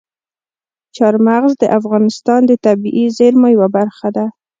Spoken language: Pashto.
چار مغز د افغانستان د طبیعي زیرمو یوه برخه ده.